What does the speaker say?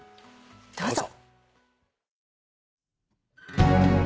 どうぞ。